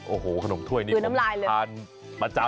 โอ้โหขนมถ้วยนี่ผมทานประจำ